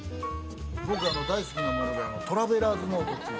僕、大好きなものでトラベラーズノートっていう